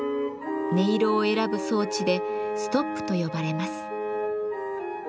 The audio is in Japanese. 音色を選ぶ装置で「ストップ」と呼ばれます。